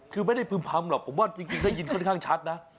คือไม่ได้พึ่มพำหรอกผมว่าจริงได้ยินค่อนข้างชัดนะ